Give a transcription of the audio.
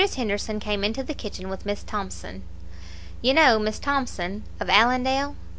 Henderson came into the kitchen with Miss Thomson. You know Miss Thomson of Allendale.